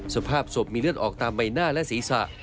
สภาพศพมีเลือดออกตามใบหน้าและศีรษะ